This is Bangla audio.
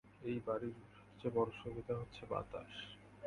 এই বাড়ির সবচেয়ে বড় সুবিধা হচ্ছে বাতাস।